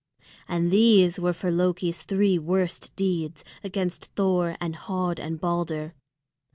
And these were for Loki's three worst deeds, against Thor and Höd and Balder.